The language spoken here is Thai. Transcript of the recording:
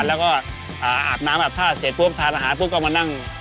แล้วก็อาบน้ำอาบท่าเสร็จปุ๊บทานอาหารปุ๊บก็มานั่ง